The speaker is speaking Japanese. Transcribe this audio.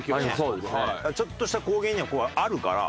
ちょっとした高原にはあるから。